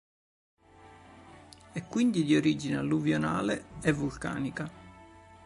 È quindi di origine alluvionale e vulcanica.